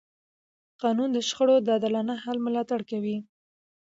قانون د شخړو د عادلانه حل ملاتړ کوي.